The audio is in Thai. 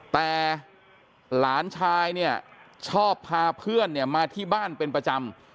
แต่หลานชายชอบพาเพื่อนมาที่บ้านเป็นประจำ